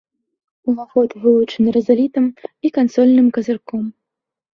Уваход вылучаны рызалітам і кансольным казырком.